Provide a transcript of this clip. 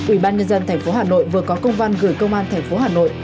ủy ban nhân dân tp hà nội vừa có công văn gửi công an tp hà nội